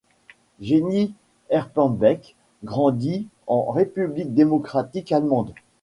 Jenny Erpenbeck grandit en République démocratique allemande.